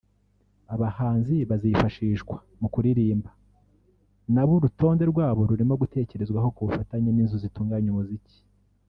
abahanzi bazifafishwa mu kuririmba (performing) na bo urutonde rwabo rurimo gutekerezwaho ku bufatanye n’inzu zitunganya umuziki